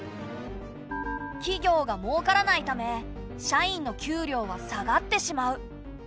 企業がもうからないため社員の給料は下がってしまう。